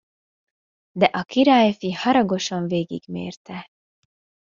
De a királyfi haragosan végigmérte.